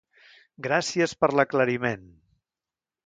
Gràcies per l'aclariment!